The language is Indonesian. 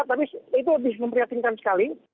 tapi itu lebih memprihatinkan sekali